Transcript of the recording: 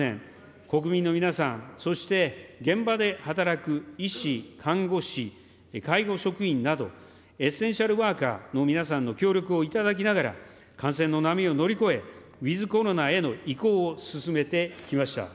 国民の皆さん、そして現場で働く医師、看護師、介護職員など、エッセンシャルワーカーの皆さんの協力をいただきながら、感染の波を乗り越え、ウィズコロナへの移行を進めてきました。